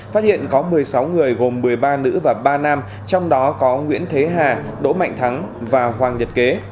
phát hiện có một mươi sáu người gồm một mươi ba nữ và ba nam trong đó có nguyễn thế hà đỗ mạnh thắng và hoàng nhật kế